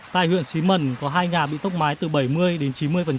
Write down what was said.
tại huyện xí mần có hai nhà bị tốc mái từ bảy mươi đến chín mươi